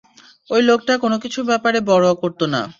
ওই লোকটা কোনোকিছুর ব্যাপারে পরোয়া করত না।